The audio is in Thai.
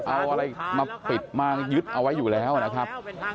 เอาอะไรมาปิดมายึดเอาไว้อยู่แล้วนะครับ